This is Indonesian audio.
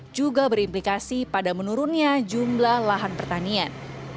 juga berimplikasi pada menurunnya jumlah lahan pertanian